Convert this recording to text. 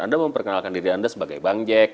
anda memperkenalkan diri anda sebagai bang jack